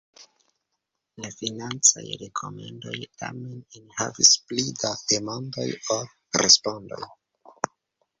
La financaj rekomendoj tamen enhavis pli da demandoj ol respondoj.